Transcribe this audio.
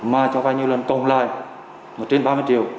mà cho vay nhiều lần cộng lại trên ba mươi triệu